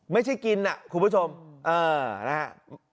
ไม่ใช่กินนะคุณผู้ชมเออนะฮะ